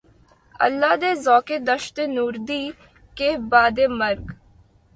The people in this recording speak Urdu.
اللہ رے ذوقِ دشت نوردی! کہ بعدِ مرگ